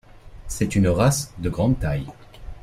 C'est une race de grande taille.